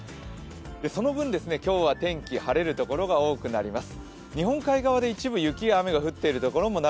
その分、今日は天気、晴れる所が多くなります。